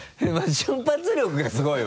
瞬発力がすごいわ。